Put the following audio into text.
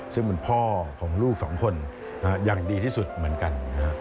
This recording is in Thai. ซึ่งเป็นพ่อของลูกสองคนอย่างดีที่สุดเหมือนกัน